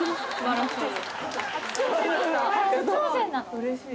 うれしい。